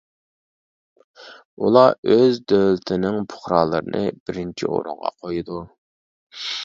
ئۇلار ئۆز دۆلىتىنىڭ پۇقرالىرىنى بىرىنچى ئورۇنغا قويىدۇ.